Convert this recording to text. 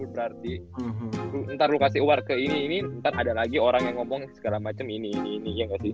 berarti ntar lu kasih award ke ini ini ntar ada lagi orang yang ngomong segala macem ini ini ini iya ga sih